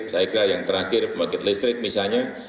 saya kira yang terakhir pembangkit listrik misalnya